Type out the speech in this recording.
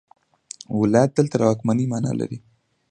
ولایت دلته د واکمنۍ معنی لري.